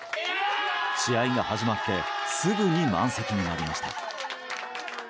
試合が始まってすぐに満席になりました。